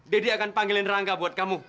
daddy akan panggilin rangga buat kamu